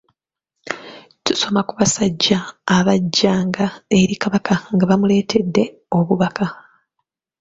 Tusoma ku basajja abajjanga eri Kabaka nga bamuleetedde obubaka.